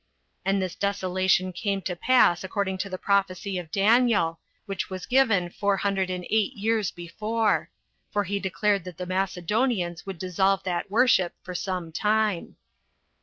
And this desolation came to pass according to the prophecy of Daniel, which was given four hundred and eight years before; for he declared that the Macedonians would dissolve that worship [for some time].